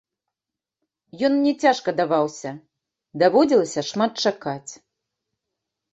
Ён мне цяжка даваўся, даводзілася шмат чакаць.